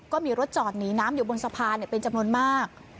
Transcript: ก็มีรถจอดหนีน้ำอยู่บนสะพานเป็นจำนวนมาก